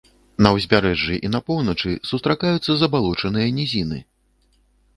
На ўзбярэжжы і на поўначы сустракаюцца забалочаныя нізіны.